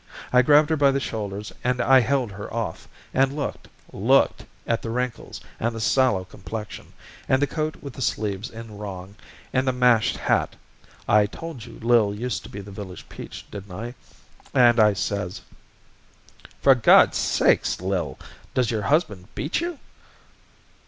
I grabbed her by the shoulders, and I held her off, and looked looked at the wrinkles, and the sallow complexion, and the coat with the sleeves in wrong, and the mashed hat (I told you Lil used to be the village peach, didn't I?) and I says: "'For Gawd's sakes, Lil, does your husband beat you?'